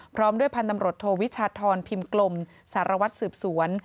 พร้อมด้วยพันธุ์ตำรวจโทวิชาธรพิมพ์กลมสารวัตรสืบสวน